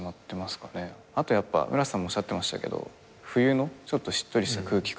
あと村瀬さんもおっしゃってましたけど冬のちょっとしっとりした空気感。